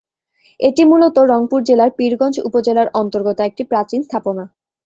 এটি মূলত রংপুর জেলার পীরগঞ্জ উপজেলার অন্তর্গত একটি প্রাচীন স্থাপনা।